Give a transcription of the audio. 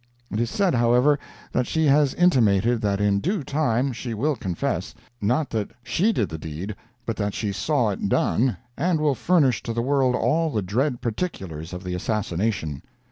It is said, however, that she has intimated that in due time she will confess, not that she did the deed, but that she saw it done, and will furnish to the world all the dread particulars of the assassination.